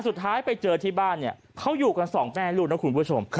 สุดท้ายไปเจอที่บ้านเนี่ยเขาอยู่กันสองแม่ลูกนะคุณผู้ชม